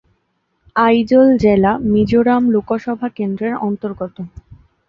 আইজল জেলা মিজোরাম লোকসভা কেন্দ্রের অন্তর্গত।